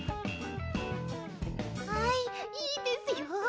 はいいいですよ！